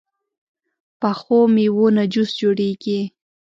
پخو میوو نه جوس جوړېږي